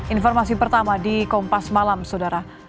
informasi pertama di kompas malam saudara